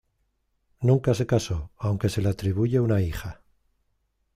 Nunca se casó, aunque se le atribuye una hija.